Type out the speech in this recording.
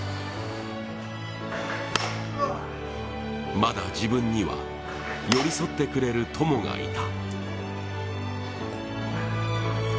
まだ自分には寄り添ってくれる友がいた。